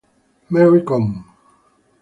Mary Kom